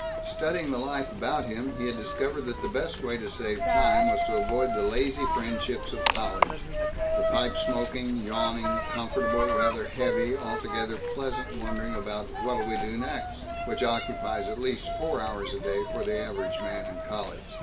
Studying the life about him, he had discovered that the best way to save time was to avoid the lazy friendships of college; the pipe smoking, yawning, comfortable, rather heavy, altogether pleasant wondering about "what'll we do next?" which occupies at least four hours a day for the average man in college.